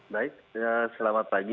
baik selamat pagi